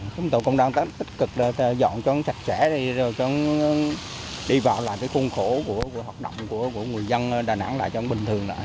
chúng tôi cũng đang tích cực dọn cho nó sạch sẽ đi rồi cho nó đi vào lại cái khuôn khổ của hoạt động của người dân đà nẵng lại cho nó bình thường lại